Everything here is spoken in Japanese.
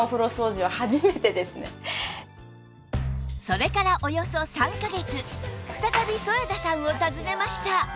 それからおよそ３カ月再び添田さんを訪ねました